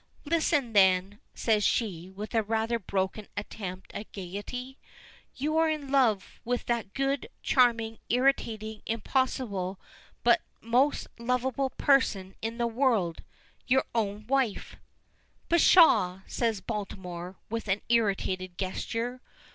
"Listen, then," says she, with a rather broken attempt at gayety, "you are in love with that good, charming, irritating, impossible, but most lovable person in the world your own wife!" "Pshaw!" says Baltimore, with an irritated gesture.